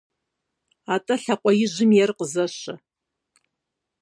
- АтӀэ лъакъуэ ижьым ейр къызэщэ.